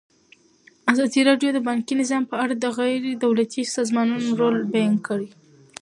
ازادي راډیو د بانکي نظام په اړه د غیر دولتي سازمانونو رول بیان کړی.